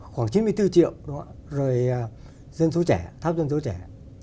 khoảng chín mươi bốn triệu rồi dân số trẻ tháp dân số trẻ